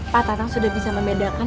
pak tatang sudah bisa membedakan